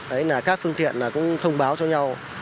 đấy là các phương tiện là cũng thông báo cho nhau